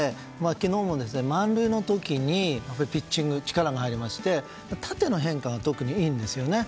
昨日も満塁の時にピッチング力が入りまして縦の変化が特にいいんですよね。